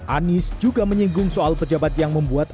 anies juga menyinggung soal pejabat yang membuat